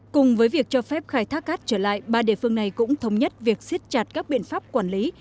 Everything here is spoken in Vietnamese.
cùng với việc cho phép khai thác cát trở lại ba địa phương này cũng thống nhất việc siết chặt các biện pháp quản lý